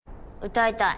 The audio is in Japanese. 歌いたい。